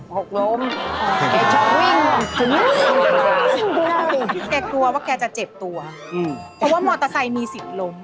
เพราะว่ามอเตอร์ไซส์มีสิ่งล้ม